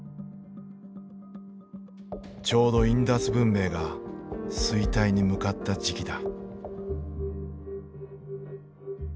ちょうどインダス文明が衰退に向かった時期だ。